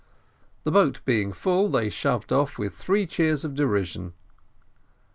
The boat being full, they shoved off, with three cheers of derision.